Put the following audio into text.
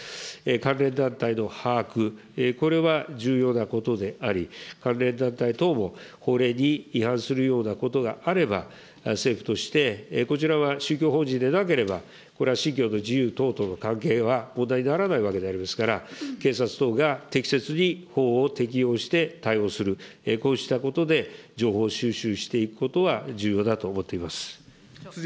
関連団体の把握、これは重要なことであり、関連団体等も法令に違反するようなことがあれば、政府として、こちらは宗教法人でなければ、これは信教の自由等々の関係は問題にならないわけでありますから、警察等が適切に法を適用して対応する、こうしたことで情報収集していくことは重要だと思っています。